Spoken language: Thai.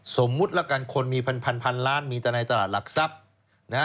สมมุติละกันคนมีพันล้านมีแต่ในตลาดหลักทรัพย์